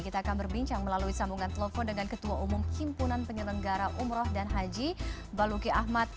kita akan berbincang melalui sambungan telepon dengan ketua umum himpunan penyelenggara umroh dan haji baluki ahmad